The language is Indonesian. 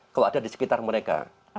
kalau ada di sekitar mereka